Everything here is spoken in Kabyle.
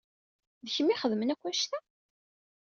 D kemm i ixedmen akk annect-a?